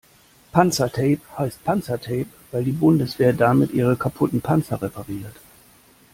Panzertape heißt Panzertape, weil die Bundeswehr damit ihre kaputten Panzer repariert.